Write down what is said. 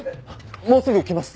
もうすぐ来ます。